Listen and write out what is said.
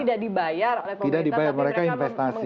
jadi mereka tidak dibayar oleh pemerintah tapi mereka menginvestasi